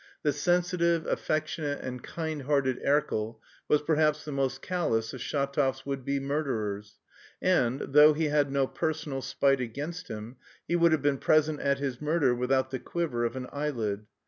The sensitive, affectionate and kind hearted Erkel was perhaps the most callous of Shatov's would be murderers, and, though he had no personal spite against him, he would have been present at his murder without the quiver of an eyelid.